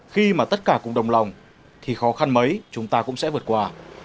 khi mà tất cả cùng đồng lòng thì khó khăn mấy chúng ta cũng sẽ vượt qua